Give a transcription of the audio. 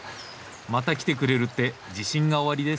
また来てくれるって自信がおありですね？